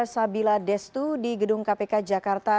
sabila destu di gedung kpk jakarta